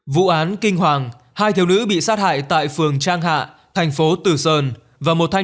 vụ án kinh hoàng hai thiếu nữ bị sát hại tại phường trang hạ thành phố tử sơn và một thanh